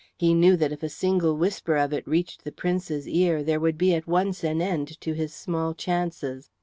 He knew that if a single whisper of it reached the Prince's ear there would be at once an end to his small chances.